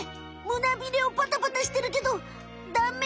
むなビレをパタパタしてるけどダメ。